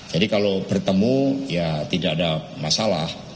jadi kalau bertemu ya tidak ada masalah